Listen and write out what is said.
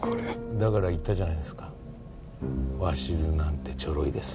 だから言ったじゃないですか鷲津なんてちょろいです。